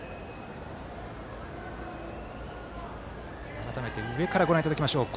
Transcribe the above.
改めて上からご覧いただきましょう。